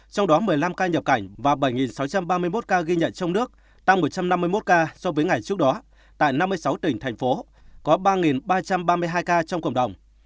trong đó một mươi năm ca nhập cảnh và bảy sáu trăm ba mươi một ca ghi nhận trong nước tăng một trăm năm mươi một ca so với ngày trước đó tại năm mươi sáu tỉnh thành phố có ba ba trăm ba mươi hai ca trong cộng đồng